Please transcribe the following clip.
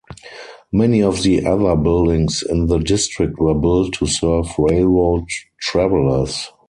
Many of the other buildings in the district were built to serve railroad travelers.